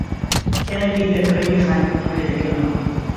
ئێمە بیر لە کڕینی خانوویەکی نوێ دەکەینەوە.